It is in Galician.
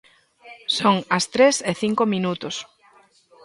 Son as tres e cinco minutos.